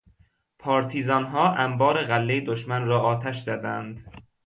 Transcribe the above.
پارتیزانها انبار غلهٔ دشمن را آتش زدند.